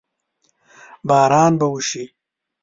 باران به وشي؟